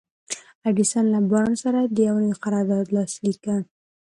ايډېسن له بارنس سره يو نوی قرارداد لاسليک کړ.